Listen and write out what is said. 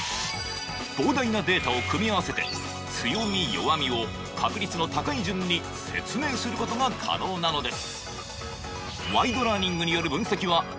膨大なデータを組み合わせて強み、弱みを確率の高い順に説明することが可能なのです。